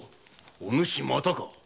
お主またか。